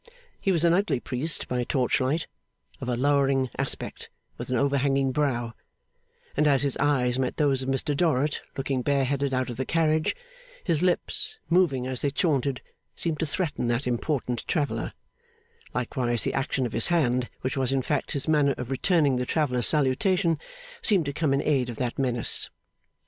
He was an ugly priest by torchlight; of a lowering aspect, with an overhanging brow; and as his eyes met those of Mr Dorrit, looking bareheaded out of the carriage, his lips, moving as they chaunted, seemed to threaten that important traveller; likewise the action of his hand, which was in fact his manner of returning the traveller's salutation, seemed to come in aid of that menace.